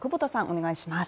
お願いします。